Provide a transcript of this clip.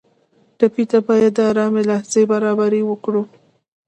ټپي ته باید د ارامۍ لحظې برابرې کړو.